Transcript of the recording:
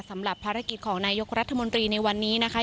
สำหรับภารกิจของนายกรัฐมนตรีในวันนี้นะคะ